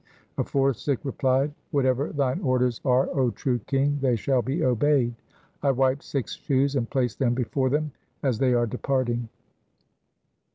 A fourth Sikh replied, ' Whatever thine orders are, O true king, they shall be obeyed. I wipe Sikhs' shoes, and place them before them as they are departing.'